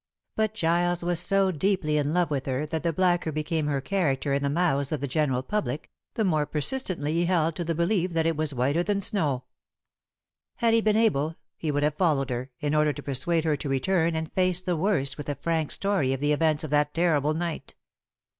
But Giles was so deeply in love with her that the blacker became her character in the mouths of the general public, the more persistently he held to the belief that it was whiter than snow. Had he been able he would have followed her, in order to persuade her to return and face the worst with a frank story of the events of that terrible night.